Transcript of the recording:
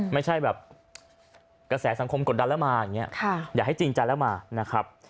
ไม่ใช่แบบกระแสสังคมกดดันแล้วมาอย่างนี้อย่าให้จริงใจแล้วมานะครับ